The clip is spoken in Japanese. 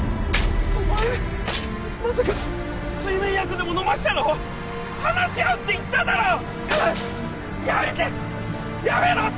お前まさか睡眠薬でも飲ませたの⁉話し合うって言っただろ‼うっ！